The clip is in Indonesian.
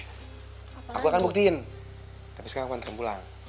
oke aku akan buktiin tapi sekarang aku mau pulang